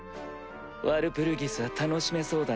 ワルプルギスは楽しめそうだな。